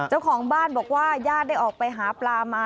เจ้าของบ้านบอกว่าญาติได้ออกไปหาปลามา